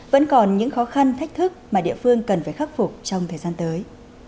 vẫn còn những khó khăn thách thức mà địa phương cần phải khắc phục trong thời gian tới